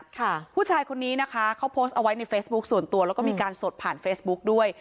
ค่ะผู้ชายคนนี้นะคะเขาโพสต์เอาไว้ในเฟซบุ๊คส่วนตัวแล้วก็มีการสดผ่านเฟซบุ๊กด้วย